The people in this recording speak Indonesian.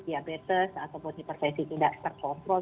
diabetes ataupun hipertensi tidak terkontrol